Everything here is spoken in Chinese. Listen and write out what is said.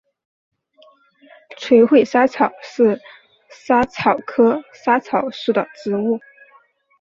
垂穗莎草是莎草科莎草属的植物。